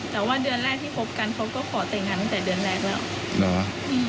แต่ว่าเดือนแรกที่คบกันเขาก็ขอแต่งงานตั้งแต่เดือนแรกแล้ว